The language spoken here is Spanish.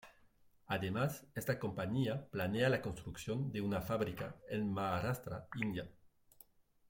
Además, esta compañía planea la construcción de una fábrica en Maharastra, India.